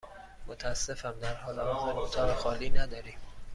متأسفم، در حال حاضر اتاق خالی نداریم.